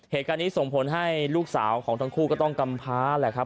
เหตุการณ์นี้ส่งผลให้ลูกสาวของทั้งคู่ก็ต้องกำพ้าแหละครับ